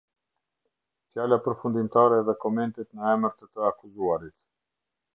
Fjala përfundimtare dhe komentet në emër të të akuzuarit.